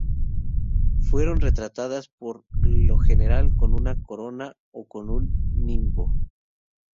Fueron retratadas por lo general con una corona o con un nimbo.